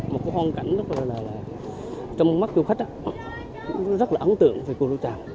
một hoàn cảnh trong mắt du khách rất là ấn tượng về cù lao chàm